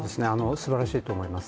すばらしいと思います。